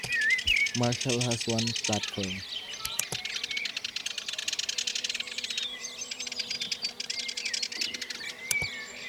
Marshall has one platform.